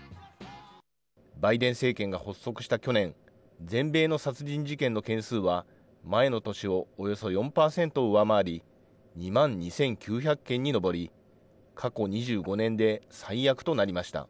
バイデン政権が発足した去年、全米の殺人事件の件数は前の年をおよそ４％上回り、２万２９００件に上り、過去２５年で最悪となりました。